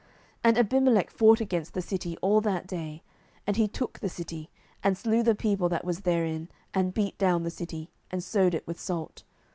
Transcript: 07:009:045 And Abimelech fought against the city all that day; and he took the city, and slew the people that was therein, and beat down the city, and sowed it with salt.